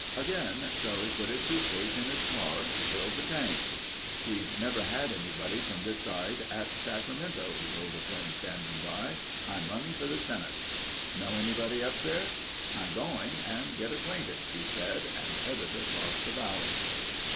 Again Charlie put his suitcase in his car, filled the tank. "We've never had anybody from this side at Sacramento," he told a friend standing by. "I'm running for the Senate." "Know anybody up there?" "I'm going and get acquainted," he said and headed across the valley.